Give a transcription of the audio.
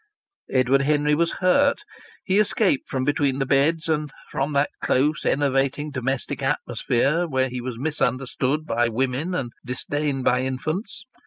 Edward Henry was hurt. He escaped from between the beds and from that close, enervating domestic atmosphere where he was misunderstood by women and disdained by infants.